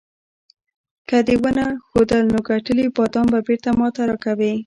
که دې ونه ښودل، نو ګټلي بادام به بیرته ماته راکوې.